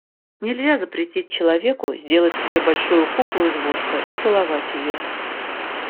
Нельзя запретить человеку сделать себе большую куклу из воска и целовать ее.